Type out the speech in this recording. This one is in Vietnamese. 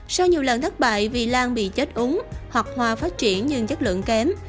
sau nhiều lần thất bại vì lan bị chết úng hoặc hoa phát triển nhưng chất lượng kém